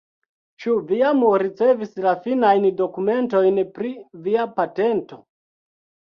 Ĉu vi jam ricevis la finajn dokumentojn pri via patento?